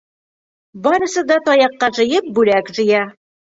Барысы да таяҡҡа жыйып бүләк жыя.